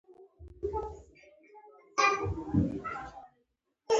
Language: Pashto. وزې له یوه ځایه بل ته کوچ کوي